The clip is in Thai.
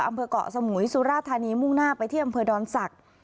อำเภอกเกาะสมุยสุราธานีมุ่งหน้าไปที่อำเภอดอนศักดิ์